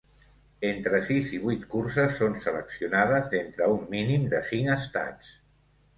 Entre sis i vuit curses són seleccionades d'entre un mínim de cinc estats.